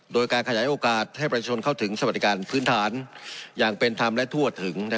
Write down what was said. โดยการขยายโอกาสให้ประชาชนเข้าถึงสวัสดิการพื้นฐานอย่างเป็นธรรมและทั่วถึง